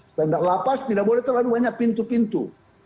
standar lapas tidak boleh terlalu banyak pintu pintu